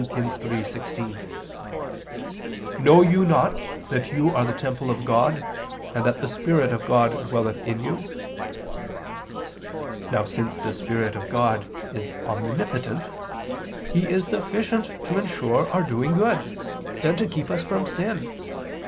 3:16: "Know you not that you are the temple of God, and that the Spirit of God dwelleth in you?" Now since the Spirit of God is omnipotent, He is sufficient to ensure our doing good and to keep us from sin.